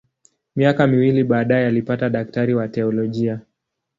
Miaka miwili baadaye alipata udaktari wa teolojia.